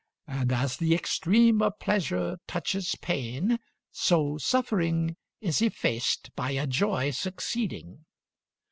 And as the extreme of pleasure touches pain, so suffering is effaced by a joy succeeding.